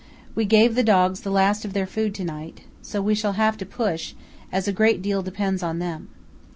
We gave the dogs the last of their food to night, so we shall have to push, as a great deal depends on them."